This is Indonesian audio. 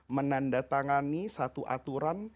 menandatangani satu aturan